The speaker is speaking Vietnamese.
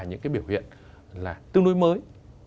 những cái biểu hiện là tương đối mới